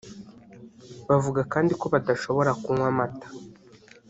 Bavuga kandi ko badashobora kunywa amata